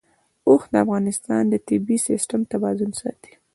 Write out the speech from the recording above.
اوښ د افغانستان د طبعي سیسټم توازن ساتي.